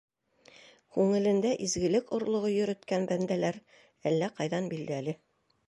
Күңелендә изгелек орлоғо йөрөткән бәндәләр әллә ҡайҙан билдәле...